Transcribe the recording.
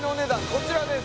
こちらです